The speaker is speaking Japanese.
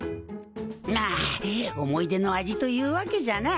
まあ思い出の味というわけじゃな。